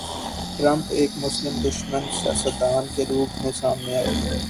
Trump ایک مسلم دشمن سیاست دان کے روپ میں سامنے آئے۔